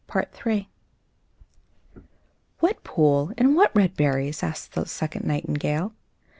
PART III "What pool and what red berries?" asked the second nightingale.